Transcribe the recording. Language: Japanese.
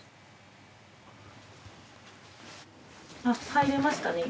あっ入れましたね